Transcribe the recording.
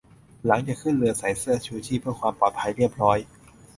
หลังจากขึ้นเรือใส่เสื้อชูชีพเพื่อความปลอดภัยเรียบร้อย